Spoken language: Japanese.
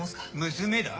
娘だ。